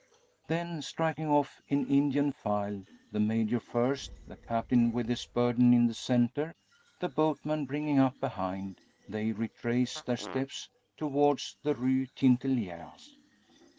Then striking off in Indian file, the Major first, the Captain with his burden in the centre, the boatman bringing up behind, they retrace their steps towards the Rue Tintelleries.